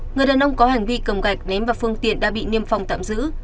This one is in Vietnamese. người đàn ông có hành vi cầm gạch ném vào phương tiện đã bị niêm phòng tạm giữ